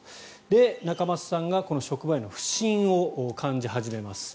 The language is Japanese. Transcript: で、仲正さんがこの職場への不信を感じ始めます。